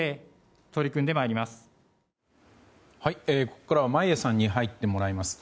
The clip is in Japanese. ここからは眞家さんに入ってもらいます。